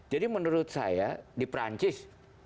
jadi menurut saya di perancis